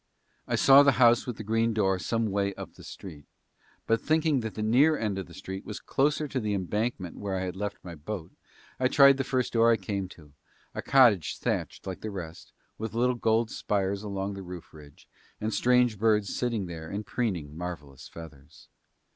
I saw the house with the green door some way up the street but thinking that the near end of the street was closer to the Embankment where I had left my boat I tried the first door I came to, a cottage thatched like the rest, with little golden spires along the roof ridge, and strange birds sitting there and preening marvellous feathers.